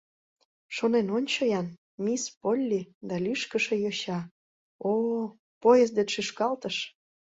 — Шонен ончо-ян: мисс Полли да лӱшкышӧ йоча... о, поездет шӱшкалтыш!